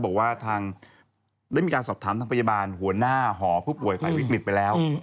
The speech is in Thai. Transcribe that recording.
บอกว่าทางได้มีการสอบถามทางพยาบาลหัวหน้าหอผู้ป่วยฝ่ายวิกฤตไปแล้ว